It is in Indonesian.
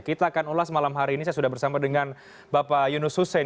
kita akan ulas malam hari ini saya sudah bersama dengan bapak yunus hussein